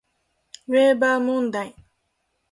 ウェーバー問題